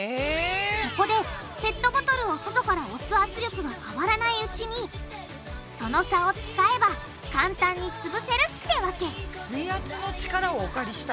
そこでペットボトルを外から押す圧力は変わらないうちにその差を使えば簡単につぶせるってわけ水圧の力をお借りしたのね。